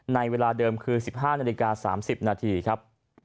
ในเวลาเดิมคือ๑๕นาฬิกา๓๐นาทีครับ